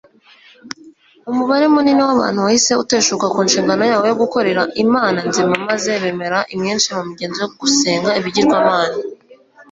umubare munini wabantu wahise uteshuka ku nshingano yawo yo gukorera Imana nzima maze bemera imyinshi mu migenzo yo gusenga ibigirwamana